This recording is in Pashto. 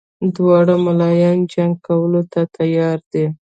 دواړه ملایان جنګ کولو ته تیار دي.